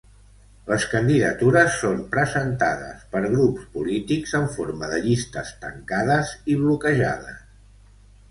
Les candidatures són presentades per grups polítics en forma de llistes tancades i bloquejades.